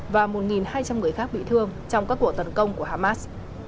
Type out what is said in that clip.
và một hai trăm linh người khác bị thương trong các cuộc tấn công của hamas